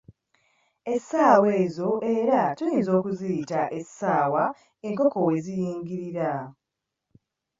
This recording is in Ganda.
Essaawa ezo era tuyinza okuziyita essaawa enkoko we ziyingirira.